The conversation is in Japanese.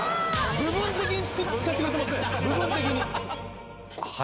部分的に使ってくれてます。